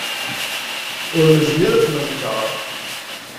Ur nezmir ad t-nenkeṛ.